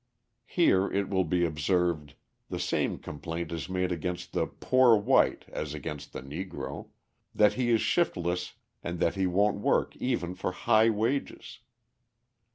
Here, it will be observed, the same complaint is made against the "poor white" as against the Negro that he is shiftless and that he won't work even for high wages.